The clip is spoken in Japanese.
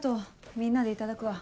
みんなでいただくわ。